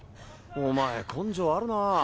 お前根性あるなぁ。